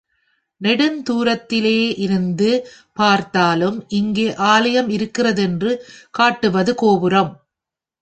நெடுந்துாரத்திலே இருந்து பார்த்தாலும் இங்கே ஆலயம் இருக்கிறதென்று காட்டுவது கோபுரம்.